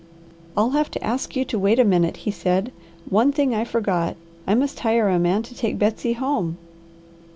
"I'll have to ask you to wait a minute," he said. "One thing I forgot. I must hire a man to take Betsy home."